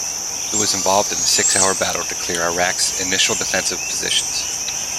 It was involved in a six-hour battle to clear Iraq's initial defensive positions.